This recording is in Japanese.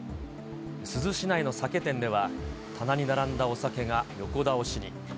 珠洲市内の酒店では、棚に並んだお酒が横倒しに。